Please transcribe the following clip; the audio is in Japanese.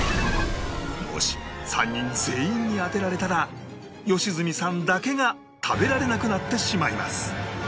もし３人全員に当てられたら良純さんだけが食べられなくなってしまいます